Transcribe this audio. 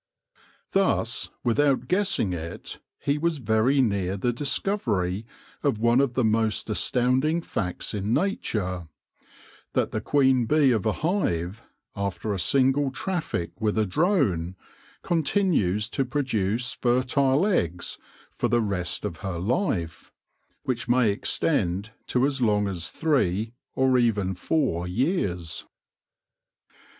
Thus, without guessing it, he was very near the dis covery of one of the most astounding facts in Nature — that the queen bee of a hive, after a single traffic with a drone, continues to produce fertile eggs for the rest of her life, which may extend to as long as three, or even four, years.